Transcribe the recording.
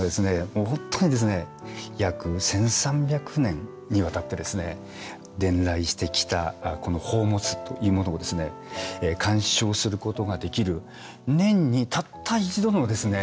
もう本当にですね約１，３００年にわたってですね伝来してきたこの宝物というものをですね鑑賞することができる年にたった一度のですね。